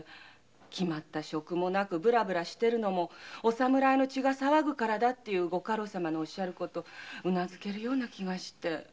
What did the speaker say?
決まった職もなくブラブラしてるのも侍の血が騒ぐからだってご家老様が言われる事うなずける気がして。